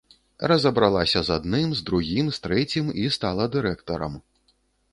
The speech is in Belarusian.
Разабралася з адным, з другім, з трэцім, і стала дырэктарам.